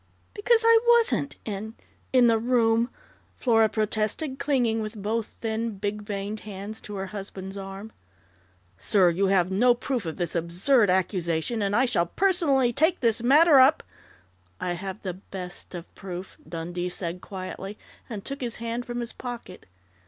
"Because I wasn't in in the room," Flora protested, clinging with both thin, big veined hands to her husband's arm. "Sir, you have no proof of this absurd accusation, and I shall personally take this matter up " "I have the best of proof," Dundee said quietly, and took his hand from his pocket.